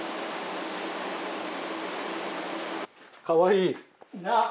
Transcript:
かわいい。な。